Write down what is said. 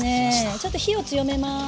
ちょっと火を強めます。